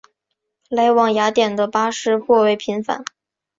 来往雅典的巴士颇为频繁。